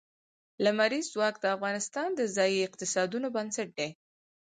لمریز ځواک د افغانستان د ځایي اقتصادونو بنسټ دی.